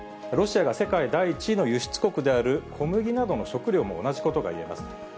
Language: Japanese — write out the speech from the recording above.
ロシアが世界第１位の輸出国である小麦などの食料も同じことがいえます。